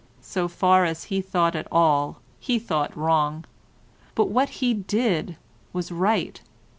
So far as he thought at all, he thought wrong, but what he did was right.